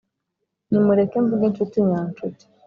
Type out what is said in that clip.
nimureke mvuge inshuti nyanshuti